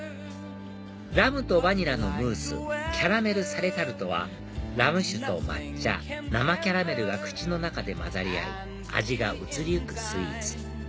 ラムとバニラのムースキャラメルサレタルトはラム酒と抹茶生キャラメルが口の中で混ざり合い味が移りゆくスイーツ